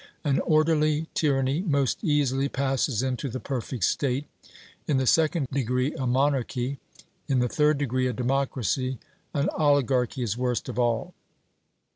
An orderly tyranny most easily passes into the perfect state; in the second degree, a monarchy; in the third degree, a democracy; an oligarchy is worst of all.